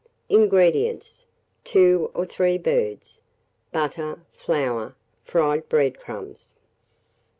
INGREDIENTS. 2 or 3 birds; butter, flour, fried bread crumbs.